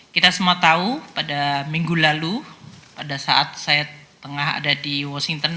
kita semua tahu pada minggu lalu pada saat saya tengah ada di washington